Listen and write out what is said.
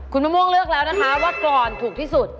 คุณมะม่วงเลือกแล้วนะคะว่ากรอนถูกที่สุด